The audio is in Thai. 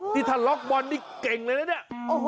นี่ถ้าล็อกบอลนี่เก่งเลยนะเนี่ย